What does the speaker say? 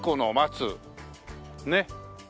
ねっ。